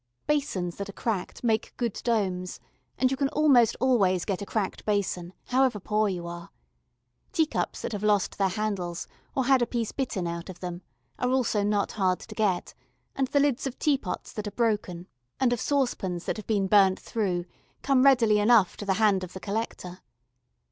Basins that are cracked make good domes, and you can almost always get a cracked basin, however poor you are; tea cups that have lost their handles, or had a piece bitten out of them, are also not hard to get, and the lids of teapots that are broken, and of saucepans that have been burnt through, come readily enough to the hand of the collector.